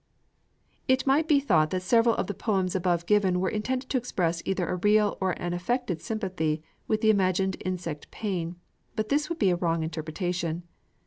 It might be thought that several of the poems above given were intended to express either a real or an affected sympathy with imagined insect pain. But this would be a wrong interpretation.